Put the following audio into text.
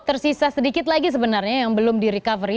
tersisa sedikit lagi sebenarnya yang belum direcovery